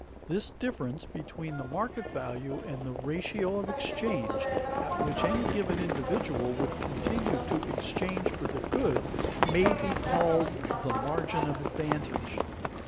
This difference between the market value and the ratio of exchange at which any given individual would continue to exchange for the good may be called the margin of advantage.